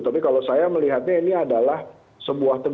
tapi kalau saya melihatnya itu memang tidak terlalu penting